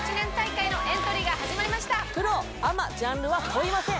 プロアマジャンルは問いません。